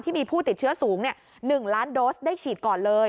ผู้ติดเชื้อสูง๑ล้านโดสได้ฉีดก่อนเลย